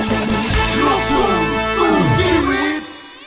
ของร้ายให้ร้ายรุกภูมิสู่ชีวิต